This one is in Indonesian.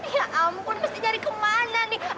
ya ampun mesti nyari kemana nih